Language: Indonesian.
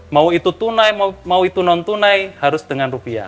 mau itu tunai mau itu non tunai harus dengan rupiah